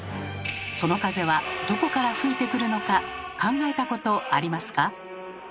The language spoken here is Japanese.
その風はどこから吹いてくるのか考えたことありますか？